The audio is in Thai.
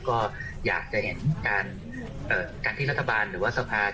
ก็อยากจะเห็นการที่รัฐบาลหรือว่าสภา